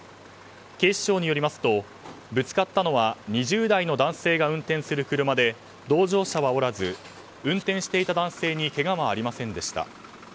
警視庁によりますとぶつかったのは２０代の男性が運転する車で同乗者はおらず運転していた男性にけがはありませんでした。